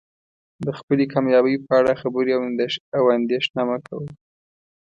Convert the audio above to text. د خپلې کامیابۍ په اړه خبرې او اندیښنه مه کوئ.